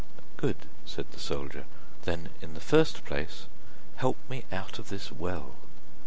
'Good,' said the soldier; 'then in the first place help me out of this well.